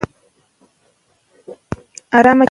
شتمن خلک هم کله ناکله د لوږې وېره احساسوي.